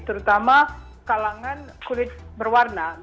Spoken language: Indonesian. terutama kalangan kulit berwarna